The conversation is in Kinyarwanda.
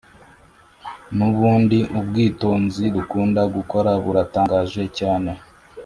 nubundi ubwitonzi dukunda gukora buratangaje cyane ............